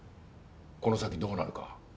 この先どうなるか。